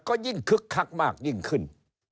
ก็ยิ่งคึกคักมากยิ่งขึ้น